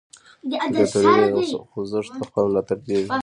دیکتاتوري د یو خوځښت لخوا ملاتړ کیږي.